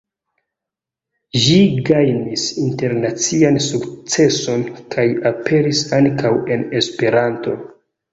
Ĝi gajnis internacian sukceson kaj aperis ankaŭ en Esperanto.